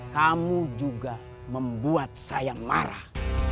kamu juga membuat saya marah